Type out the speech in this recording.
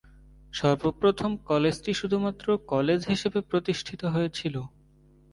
সর্বপ্রথম কলেজটি শুধুমাত্র কলেজ হিসেবে প্রতিষ্ঠিত হয়েছিল।